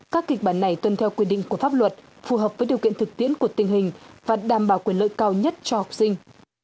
các kịch bản này tuân theo quy định của pháp luật phù hợp với điều kiện thực tiễn của tình hình và đảm bảo quyền lợi cao nhất cho học sinh